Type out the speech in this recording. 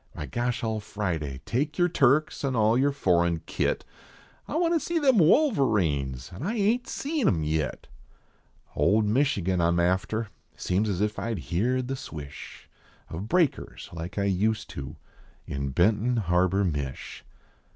Why. gosh all Friday ! Take yer Turks an all yer foreign kit, I want to see them Wolverines, an I ain t seen em yit ; Old Michigan I m after ; seems as if I heerd the swish Of breakers like I used to in Benton Harbor. Midi.